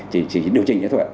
chỉ điều chỉnh